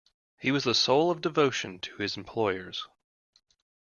He was the soul of devotion to his employers.